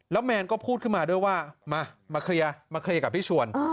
แล้วแมนก็พูดขึ้นมาด้วยว่ามาเคลียร์มาเคลียร์กับพี่ชวน